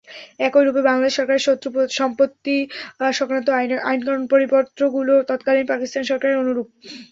একই রূপে বাংলাদেশ সরকারের শত্রু সম্পত্তি-সংক্রান্ত আইনকানুন পরিপত্রগুলো তৎকালীন পাকিস্তান সরকারের অনুরূপ।